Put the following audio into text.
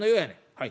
「はい。